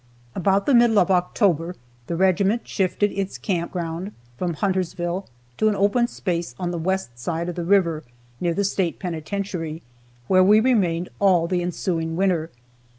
About the middle of October the regiment shifted its camp ground from Huntersville to an open space on the west side of the river, near the State penitentiary, where we remained all the ensuing winter.